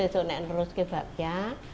saya terus ke bakpia